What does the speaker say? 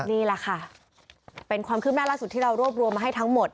นี่แหละค่ะเป็นความคืบหน้าล่าสุดที่เรารวบรวมมาให้ทั้งหมด